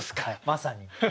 まさに。